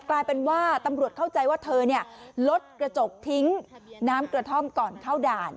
กลายเป็นว่าตำรวจเข้าใจว่าเธอลดกระจกทิ้งน้ำกระท่อมก่อนเข้าด่าน